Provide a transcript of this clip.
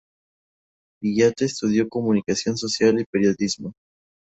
Villate estudió Comunicación Social y Periodismo.